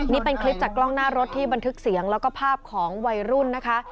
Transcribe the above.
นี่เป็นคลิปจากกล้องหน้ารถที่บันทึกเสียงแล้วก็ภาพของวัยรุ่นนะคะ